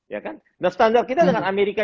ya kan nah standar kita dengan amerika